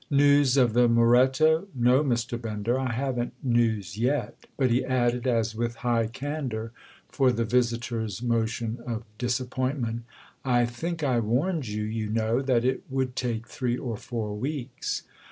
"News of the Moretto? No, Mr. Bender, I haven't news yet." But he added as with high candour for the visitor's motion of disappointment: "I think I warned you, you know, that it would take three or four weeks."